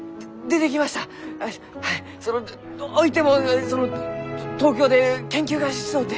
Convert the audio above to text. そのどういてもその東京で研究がしとうて。